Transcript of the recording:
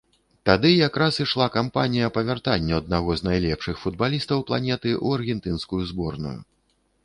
Тады якраз ішла кампанія па вяртанню аднаго з найлепшых футбалістаў планеты ў аргентынскую зборную.